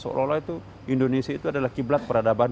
seolah olah itu indonesia itu adalah kiblat peradaban